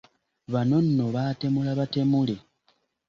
Bano nno baatemula batemule.